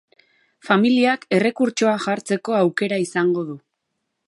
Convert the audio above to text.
Familiak errekurtsoa jartzeko aukera izango du.